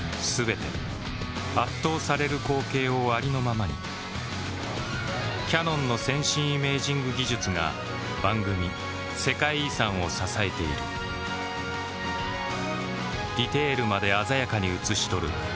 全て圧倒される光景をありのままにキヤノンの先進イメージング技術が番組「世界遺産」を支えているディテールまで鮮やかに映し撮る